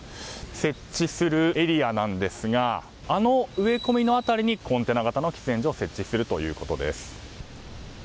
設置するエリアですがあの植え込みの辺りにコンテナ型の喫煙所を設置するということです。